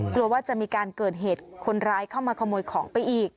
ว่าจะมีการเกิดเหตุคนร้ายเข้ามาขโมยของไปอีก